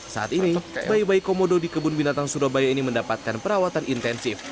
saat ini bayi bayi komodo di kebun binatang surabaya ini mendapatkan perawatan intensif